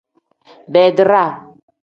Badiraa.